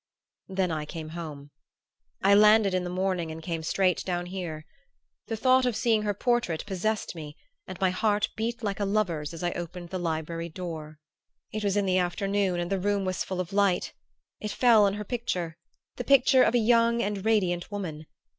"Then I came home. I landed in the morning and came straight down here. The thought of seeing her portrait possessed me and my heart beat like a lover's as I opened the library door. It was in the afternoon and the room was full of light. It fell on her picture the picture of a young and radiant woman.